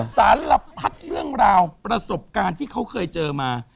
สารพัดเรื่องราวประสบการณ์ที่เขาเคยเจอมา